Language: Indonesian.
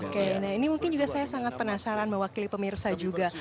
oke nah ini mungkin juga saya sangat penasaran mewakili pemirsa juga